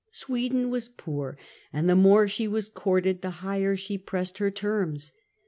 Sweden was poor, and the more she was courted the higher she raised her terms.